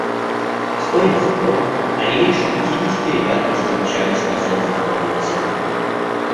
Сто не сто, а не меньше пятидесяти ребят быстро мчались на зов знакомого сигнала.